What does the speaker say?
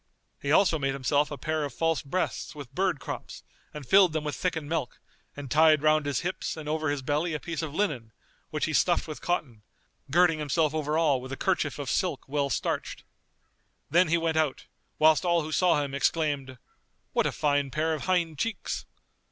He also made himself a pair of false breasts with birds' crops and filled them with thickened milk and tied round his hips and over his belly a piece of linen, which he stuffed with cotton, girding himself over all with a kerchief of silk well starched. Then he went out, whilst all who saw him exclaimed, "What a fine pair of hind cheeks!"